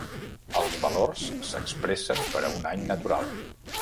Els valors s'expressen per a un any natural.